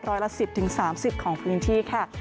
ร้อยละ๑๐๓๐ของพื้นที่ค่ะ